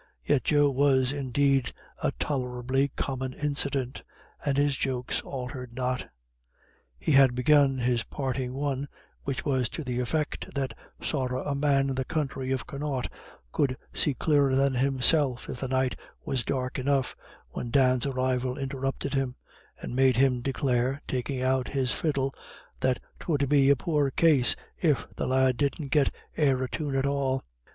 Yet Joe was indeed a tolerably common incident, and his jokes altered not. He had begun his parting one, which was to the effect that sorra a man in the counthry of Connaught could see clearer than himself if the night was dark enough, when Dan's arrival interrupted him, and made him declare, taking out his fiddle, that 'twould be a poor case if the lad didn't get e'er a tune at all.